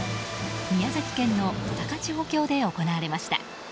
宮崎県の高千穂峡で行われました。